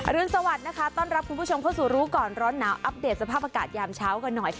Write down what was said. รุนสวัสดิ์นะคะต้อนรับคุณผู้ชมเข้าสู่รู้ก่อนร้อนหนาวอัปเดตสภาพอากาศยามเช้ากันหน่อย